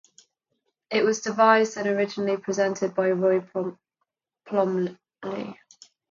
It was devised and originally presented by Roy Plomley.